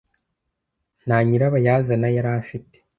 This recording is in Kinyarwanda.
Nta nyirabayazana yari afite.